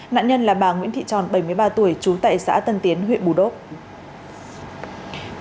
nạn nhân là bà nguyễn thị tròn bảy mươi ba tuổi trú tại xã tân tiến huyện bù đốc